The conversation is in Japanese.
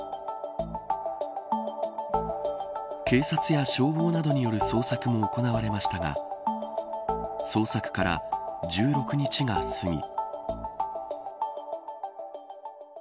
警察や消防などによる捜索も行われましたが捜索から１６日が過ぎ。